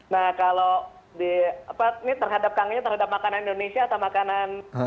nah kalau terhadap makanan indonesia atau makanan